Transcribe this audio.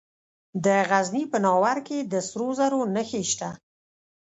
د غزني په ناوور کې د سرو زرو نښې شته.